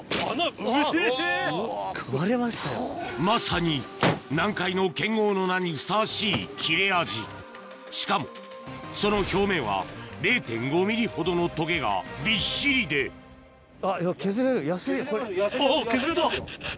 まさにの名にふさわしい切れ味しかもその表面は０．５ｍｍほどのトゲがびっしりであぁ削れた。